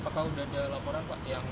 apakah sudah ada laporan pak